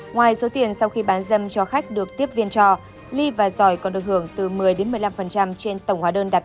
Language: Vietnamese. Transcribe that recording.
ngoài số tiền sau khi bán dâm cho khách được tiếp viên cho ly và giỏi còn được hưởng từ một mươi một mươi năm trên tổng hóa đơn đặt